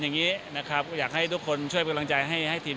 อย่างนี้นะครับอยากให้ทุกคนช่วยกำลังใจให้ให้ทีม